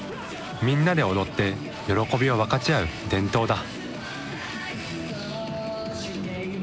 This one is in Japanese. みんなで踊って喜びを分かち合う伝統だ。